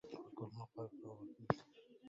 فَكُلُّ ما قالَ فَهُوَ فيهِ